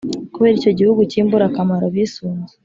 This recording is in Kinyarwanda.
kubera icyo gihugu cy’imburakamaro bisunze,